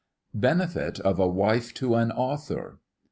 BENEFIT OF A WIFE TO AN AUTHOR.